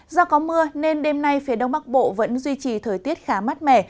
do có mưa nên đêm nay phía đông bắc bộ vẫn duy trì thời tiết khá mát mẻ